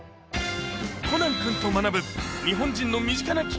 コナン君と学ぶ日本人の身近な危機